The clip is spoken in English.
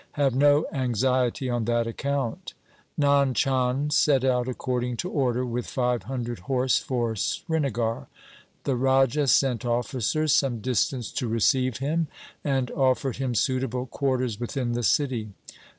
Have no anxiety on that account.' Nand Chand set out according to order with five hundred horse for Srinagar. The Raja sent officers some distance to receive him, and offered him suitable quarters within the city.